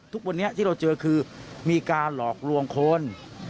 ทุกวันนี้ที่เราเจอคือมีการหลอกลวงคน